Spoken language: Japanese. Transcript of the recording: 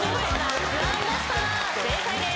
正解です。